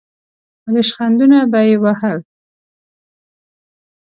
ریشخندونه به یې وهل.